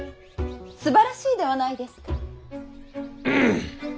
すばらしいではないですか。